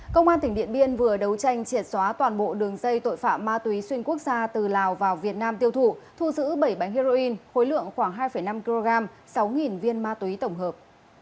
công an tỉnh điện biên vừa đấu tranh triệt xóa toàn bộ đường dây tội phạm ma túy xuyên quốc gia từ lào vào việt nam tiêu thụ thu giữ bảy bánh heroin khối lượng khoảng hai năm kg sáu viên ma túy tổng hợp